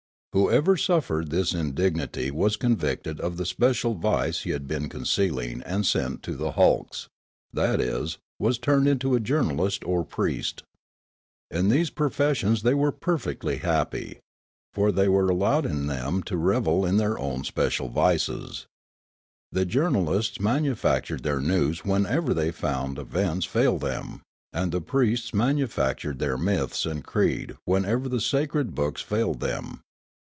Whoever suffered this indignity was convicted of the special vice he had been concealing and sent to the hulks, that is, was turned into a journalist or priest. In these profes sions they were perfectly happy, for they were allowed in them to revel in their own special vices. The jour nalists manufactured their news whenever they found events fail them, and the priests manufactured their myths and creed whenever the sacred books failed them.